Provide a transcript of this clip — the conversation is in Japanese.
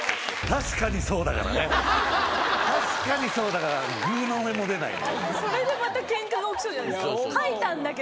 確かにそうだからぐうの音も出ない。